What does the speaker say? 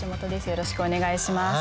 よろしくお願いします。